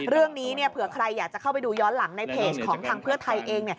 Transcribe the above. เรื่องนี้เผื่อใครอยากจะเข้าไปดูย้อนหลังในเพจของทางเพื่อไทยเอง